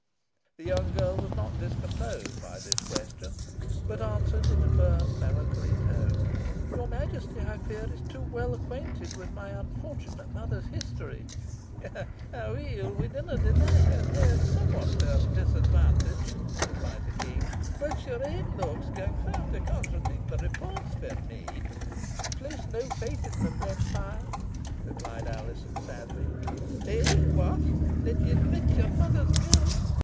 The young girl was not discomposed by this question, but answered in a firm, melancholy tone "Your Majesty, I fear, is too well acquainted with my unfortunate mother's history." "Aweel, we winna deny having heard somewhat to her disadvantage," replied the King "but your ain looks gang far to contradict the reports, fair maid." "Place no faith in them then, sire," replied Alizon, sadly. "Eh! what! then you admit your mother's guilt?"